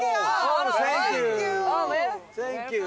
サンキュー！